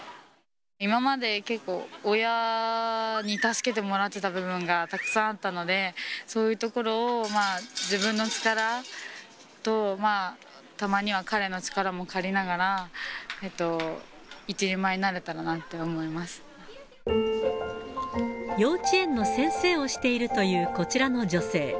今まで結構、親に助けてもらってた部分がたくさんあったので、そういうところを、自分の力と、たまには彼の力も借りながら、幼稚園の先生をしているというこちらの女性。